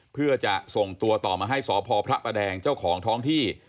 เพื่อจะส่งตัวต่อมาให้สพพระประแดงเจ้าของท้องที่